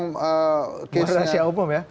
bukan rahasia umum ya